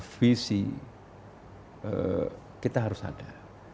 visi kita harus ada